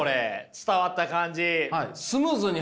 伝わった感じ。